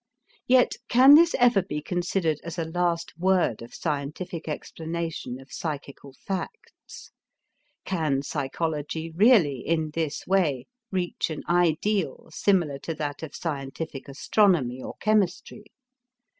Yet can this ever be considered as a last word of scientific explanation of psychical facts? Can psychology really in this way reach an ideal similar to that of scientific astronomy or chemistry?